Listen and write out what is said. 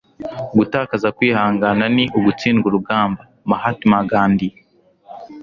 gutakaza kwihangana ni ugutsindwa urugamba. - mahatma gandhi